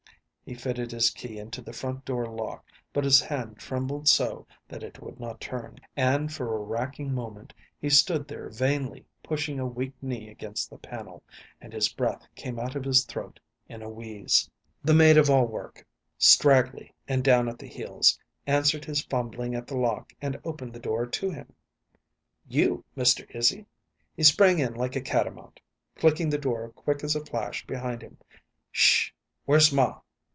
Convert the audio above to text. He fitted his key into the front door lock, but his hand trembled so that it would not turn; and for a racking moment he stood there vainly pushing a weak knee against the panel, and his breath came out of his throat in a wheeze. The maid of all work, straggly and down at the heels, answered his fumbling at the lock and opened the door to him. "You, Mr. Izzy!" He sprang in like a catamount, clicking the door quick as a flash behind him. "'Sh h h! Where's ma?"